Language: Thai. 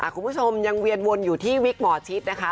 คุณผู้ชมยังเวียนวนอยู่ที่วิกหมอชิดนะคะ